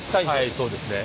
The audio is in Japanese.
はいそうですね。